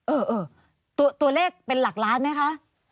เออตัวเลขเป็นหลักล้านไหมคะ